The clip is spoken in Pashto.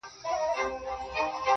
د ځان وژني د رسۍ خریدارۍ ته ولاړم